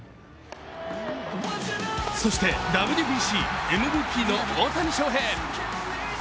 そしてＷＢＣ・ＭＶＰの大谷翔平。